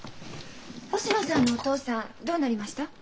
星野さんのお父さんどうなりました？